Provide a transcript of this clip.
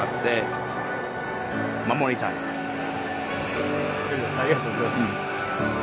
ありがとうございます。